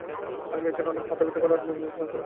আমার মেয়ের অনেক মাথা ব্যথা করে আর বমি করে তখন।